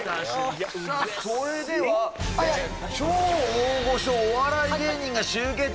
それでは超大御所お笑い芸人が集結